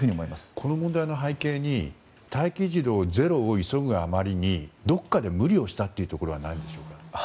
この問題の背景に待機児童ゼロを急ぐあまりにどこかで無理をしたというところないでしょうか。